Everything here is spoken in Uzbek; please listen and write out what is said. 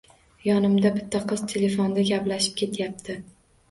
Yonimda bitta qiz telefonda gaplashib ketyapti